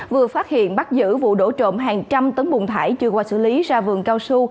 vừa phát hiện bắt giữ vụ đổ trộm hàng trăm tấn bùn thải chưa qua xử lý ra vườn cao su